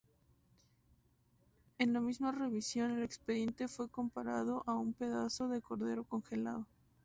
En la misma revisión, el expediente fue comparado a ""un pedazo de cordero congelado"".